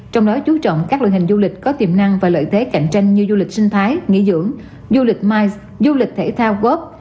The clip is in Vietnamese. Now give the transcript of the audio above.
trong đó chú trọng các loại hình du lịch có tiềm năng và lợi thế cạnh tranh như du lịch sinh thái nghỉ dưỡng du lịch mice du lịch thể thao ốc